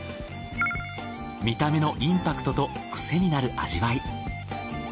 見た目のインパクトとクセになる味わい。